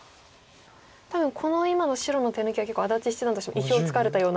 多分この今の白の手抜きは結構安達七段としても意表をつかれたような。